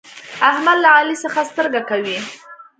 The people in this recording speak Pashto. احمد له علي څخه سترګه کوي.